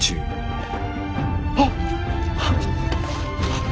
あっ。